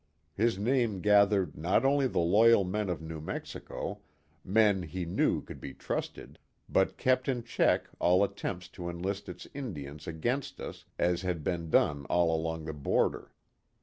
His name gathered not only the loyal men of New Mexico, men he knew could be trusted, but kept in check all attempts to enlist its Indians against us as had been done all along the border.